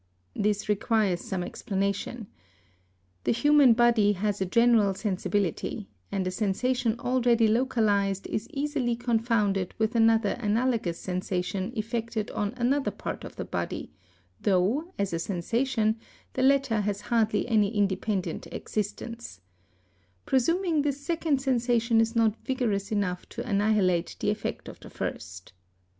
'This requires some explanation. The human body ¢ has a general sensibility, and a sensation already localised is easily confoun ded with another analogous sensation effected on another part of the body, _ though, as a sensation, the latter has hardly any independent existence,— _ presuming this second sensation is not vigorous enough to annihilate the effect of the first.